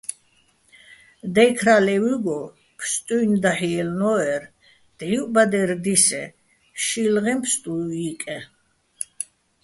დაჲქრა ლე́ვუჲგო ფსტუჲნო̆ დაჰ̦ ჲელნო́ერ, დღივჸ ბადერ დისეჼ, შილღეჼ ფსტუ ჲიკეჼ.